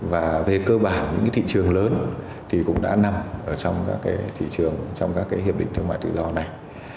và về cơ bản những thị trường lớn thì cũng đã nằm trong các hiệp định thương mại tự do này